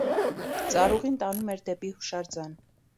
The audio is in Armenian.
Ծառուղին տանում էր դեպի հուշարձան։